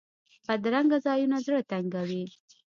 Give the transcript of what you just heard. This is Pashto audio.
بدرنګه ځایونه زړه تنګوي